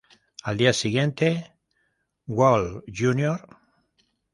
Al día siguiente, Walt Jr.